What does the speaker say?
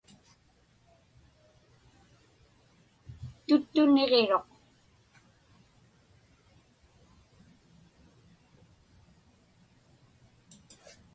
Tuttu niġiruq.